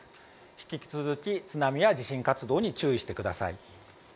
引き続き津波や地震活動に注意してください。